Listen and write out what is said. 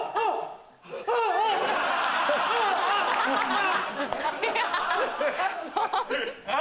あ！ハハハ！